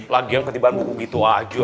lagian ketiban buku gitu aja